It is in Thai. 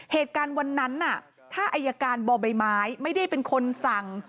เหตุการณ์วันนั้นถ้าอายการบ่อใบไม้ไม่ได้เป็นคนสั่ง